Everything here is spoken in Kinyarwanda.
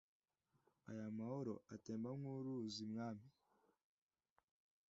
aya mahoro atemba nk’uruzi, mwami